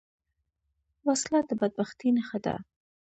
وسله د بدبختۍ نښه ده